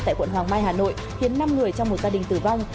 tại quận hoàng mai hà nội khiến năm người trong một gia đình tử vong